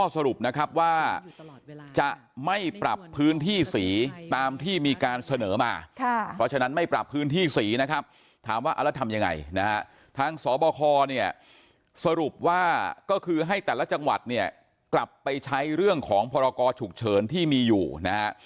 สบคเนี่ยสรุปว่าก็คือให้แต่ละจังหวัดเนี่ยกลับไปใช้เรื่องของพรกรฉุกเฉินที่มีอยู่นะฮะ